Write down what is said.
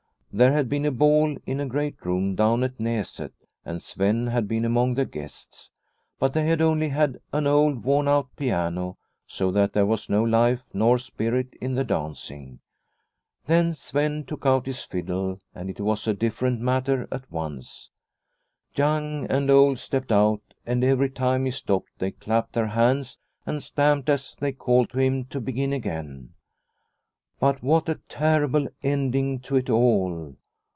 There had been a ball in a great room down at Naset, and Sven had been among the guests. But they had only had an old, worn The Smith from Henriksberg 167 out piano, so that there was no life nor spirit in the dancing. Then Sven took out his fiddle and it was a different matter at once. Young and old stepped out, and every time he stopped they clapped their hands and stamped as they called to him to begin again. But what a terrible ending to it all